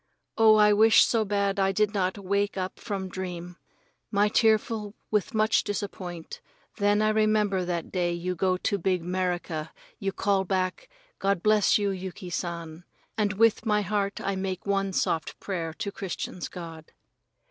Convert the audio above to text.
Oh, I wish so bad I did not wake up from dream! I was tearful with much disappoint, then I remember that day you go to big 'Merica you call back "God bless you, Yuki San," and with my heart I make one soft prayer to Christians' God.